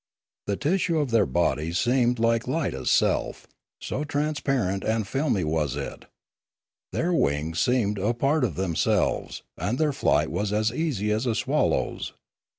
The tissue of their bodies seemed like light itself, so transparent and filmy was it. Their wings seemed a part of them selves, and their flight was as easy as a swallow's.